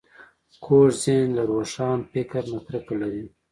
کوږ ذهن له روښان فکر نه کرکه لري